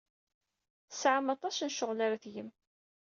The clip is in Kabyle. Tesɛam aṭas n ccɣel ara tgem.